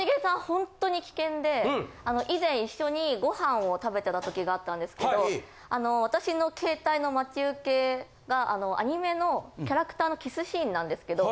ホントに危険で以前一緒にご飯を食べてたときがあったんですけど私の携帯の待ち受けがアニメのキャラクターのキスシーンなんですけど。